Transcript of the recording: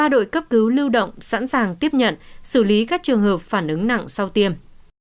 ba đội cấp cứu lưu động sẵn sàng tiếp nhận xử lý các trường hợp phản ứng nặng sau tiêm